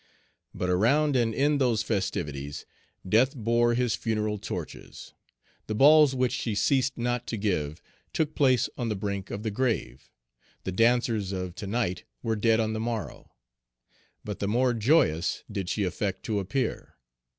But around and in those festivities, Death bore his funeral torches. The balls which she ceased not to give took place on the brink of the grave. The dancers of to night were dead on the morrow. But the more joyous did she affect to appear.